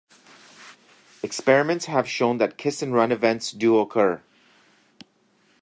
Experiments have shown that kiss-and-run events do occur.